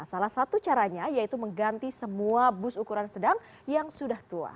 salah satu caranya yaitu mengganti semua bus ukuran sedang yang sudah tua